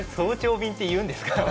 便っていうんですか？